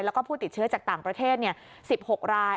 แล้วก็ผู้ติดเชื้อจากต่างประเทศ๑๖ราย